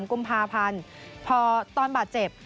กุมภาพันธ์พอตอนบาดเจ็บ